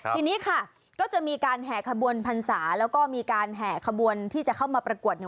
ทีนี้ค่ะก็จะมีการแห่ขบวนพรรษาแล้วก็มีการแห่ขบวนที่จะเข้ามาประกวด